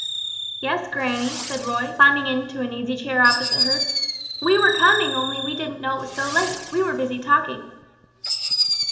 "Yes, granny," said Roy, climbing into an easy chair opposite her; "we were coming only we didn't know it was so late: we were busy talking."